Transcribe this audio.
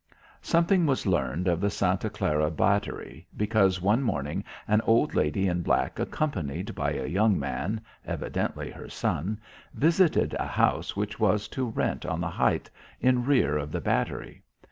Something was learned of the Santa Clara battery, because one morning an old lady in black accompanied by a young man evidently her son visited a house which was to rent on the height, in rear of the battery.